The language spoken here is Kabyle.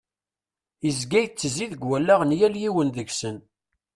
Yezga yettezzi deg wallaɣ n yal yiwen deg-sen.